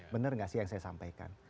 benar nggak sih yang saya sampaikan